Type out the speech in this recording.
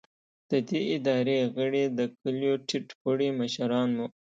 د دې ادارې غړي د کلیو ټیټ پوړي مشران وو.